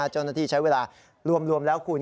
เจ้าหน้าที่ใช้เวลารวมแล้วคุณ